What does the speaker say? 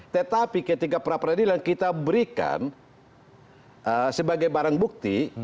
tetapi ketika pra peradilan kita berikan sebagai barang bukti